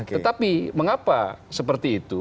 tetapi mengapa seperti itu